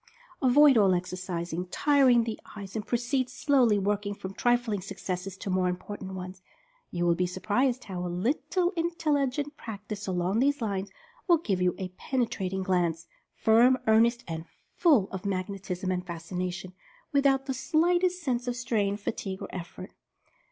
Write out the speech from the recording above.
Avoid all exercises tiring to the eyes, and proceed slowly, working from trifling successes to more impor tant ones. You will be surprised how a little intelli gent practice along these lines will give you a pene trating glance, firm, earnest, and full of "magnetism" and Fascination, without the slightest sense of strain, fatigue or effort.